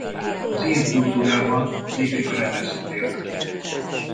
Az ilyen kultúrában az ifjúság lesz a példakép.